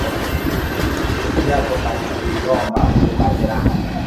Kifiakio balikilomba kuba jirani